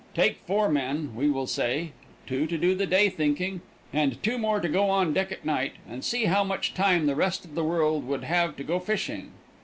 Take four men, we will say, two to do the day thinking and two more to go on deck at night, and see how much time the rest of the world would have to go fishing.